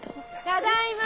ただいま！